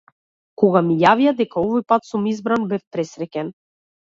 Кога ми јавија дека овој пат сум избран, бев пресреќен.